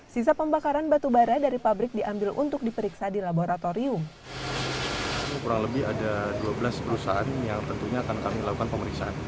sisa pembakaran batubara dari pabrik diambil untuk diperiksa di laboratorium